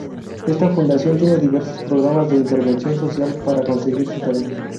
Esta fundación tiene diversos programas de intervención social para conseguir su tarea.